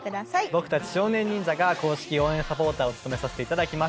僕たち少年忍者が公式応援サポーターを務めさせて頂きます